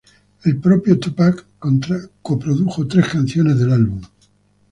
El propio Tupac coprodujo tres canciones del álbum.